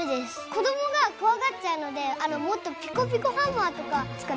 こどもが怖がっちゃうのでもっとピコピコハンマーとか使ってください。